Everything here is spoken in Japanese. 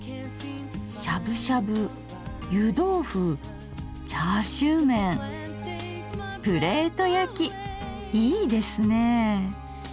しゃぶしゃぶ湯どうふチャーシューメンプレート焼きいいですね。